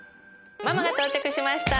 ママが到着しました！